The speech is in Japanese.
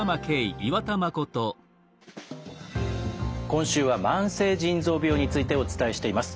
今週は慢性腎臓病についてお伝えしています。